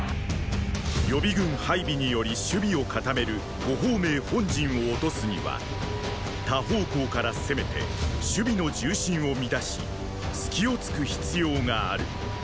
予備軍配備により守備を固める呉鳳明本陣を落とすには多方向から攻めて守備の重心を乱し隙を突く必要がある。